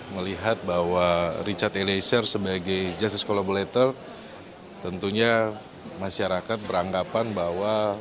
melihat bahwa richard eliezer sebagai justice collaborator tentunya masyarakat beranggapan bahwa